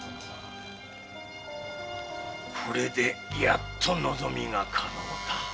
これでやっと望みがかのうた。